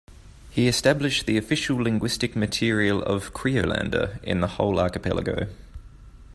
He established the official linguistic material of "Kriolander" in the whole archipelago.